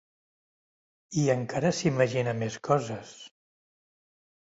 I encara s'imagina més coses.